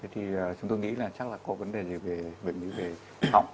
thì chúng tôi nghĩ là chắc là có vấn đề gì về viêm họng